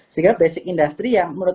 sehingga basic industry yang menurut